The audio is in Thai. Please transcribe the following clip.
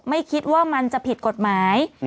ไม่คิดว่ามันจะผิดกฎหมาย